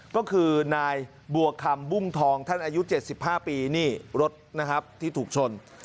ก็คือนายบวชมบุวงธองท่านอายุ๗๕ปีรถที่ถูกชน